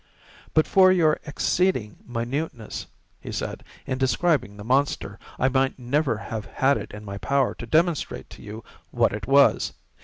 "But for your exceeding minuteness," he said, "in describing the monster, I might never have had it in my power to demonstrate to you what it was.